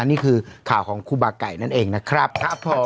อันนี้คือข่าวของคุบาไก่นั่นเองนะครับครับ